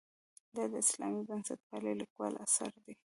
دا د اسلامي بنسټپالنې لیکوال اثر دی.